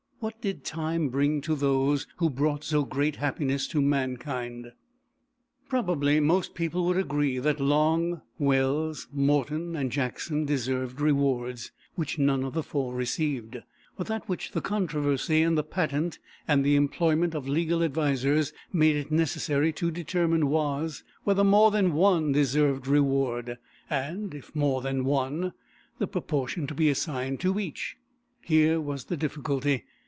What did time bring to those who brought so great happiness to mankind? Probably most people would agree that Long, Wells, Morton and Jackson deserved rewards, which none of the four received. But that which the controversy and the patent and the employment of legal advisers made it necessary to determine was, whether more than one deserved reward, and, if more than one, the proportion to be assigned to each. Here was the difficulty.